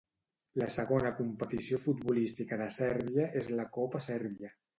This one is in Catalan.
La segona competició futbolística de Sèrbia és la copa sèrbia.